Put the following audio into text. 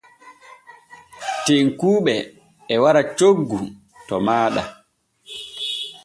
Tekkuuɓe e wara coggu to maaɗa.